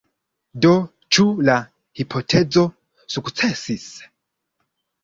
Do ĉu la hipotezo sukcesis?